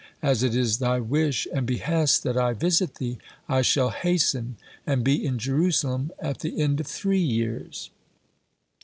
As it is thy wish and behest that I visit thee, I shall hasten and be in Jerusalem at the end of three years."